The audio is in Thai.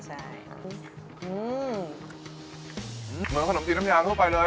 ใช่เหมือนขนมจีนน้ำยาทั่วไปเลย